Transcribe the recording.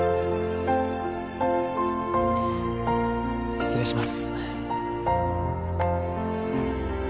失礼します。